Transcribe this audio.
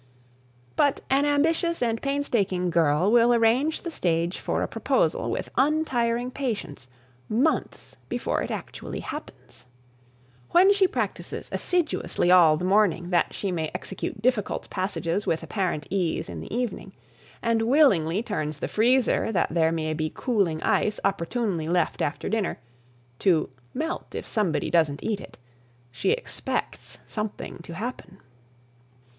But an ambitious and painstaking girl will arrange the stage for a proposal, with untiring patience, months before it actually happens. When she practices assiduously all the morning, that she may execute difficult passages with apparent ease in the evening, and willingly turns the freezer that there may be cooling ice opportunely left after dinner, to "melt if somebody doesn't eat it," she expects something to happen.